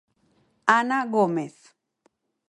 Ana Gómez.